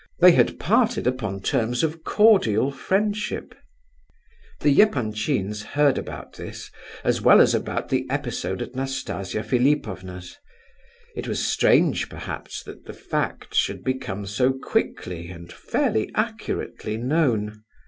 They had parted upon terms of cordial friendship. The Epanchins heard about this, as well as about the episode at Nastasia Philipovna's. It was strange, perhaps, that the facts should become so quickly, and fairly accurately, known.